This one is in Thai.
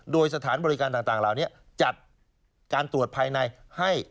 โดยสถานบริการต่างเหล่านี้จัดการตรวจภายในให้